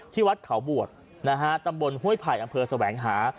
วัดเขาบวชนะฮะตำบลห้วยไผ่อำเภอแสวงหา